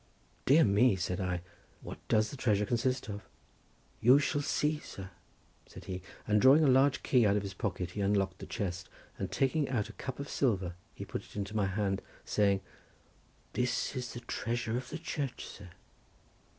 "Dear me!" said I, "what does the treasure consist of?" "You shall see, sir," said he, and drawing a large key out of his pocket he unlocked the chest and taking out a cup of silver he put it into my hand saying:—"This is the treasure of the church, sir!"